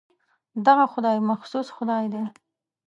دغه خدای مخصوص خدای دی.